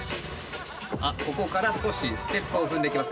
あっここから少しステップを踏んでいきます。